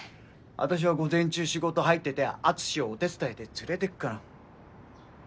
あたしは午前中仕事入ってて篤史をお手伝いで連れてくから。